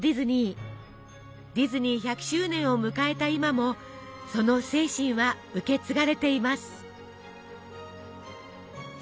ディズニー１００周年を迎えた今もその精神は受け継がれています。